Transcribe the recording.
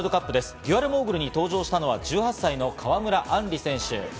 デュアルモーグルに登場したのは、１８歳の川村あんり選手。